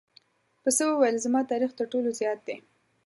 پسه وویل زما تاریخ تر ټولو زیات دی.